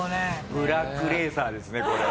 ブラックレーサーですねこれは。